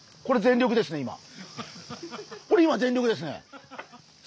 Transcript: これ全力ですね今！